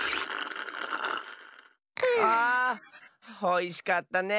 おいしかったね！